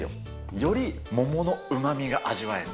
より桃のうまみが味わえる。